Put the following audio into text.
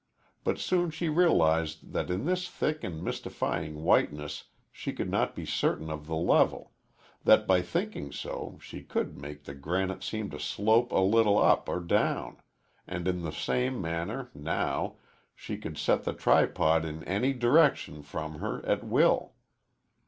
But soon she realized that in this thick and mystifying whiteness she could not be certain of the level that by thinking so she could make the granite seem to slope a little up or down, and in the same manner, now, she could set the tripod in any direction from her at will.